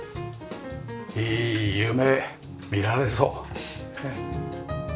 いい夢見られそう。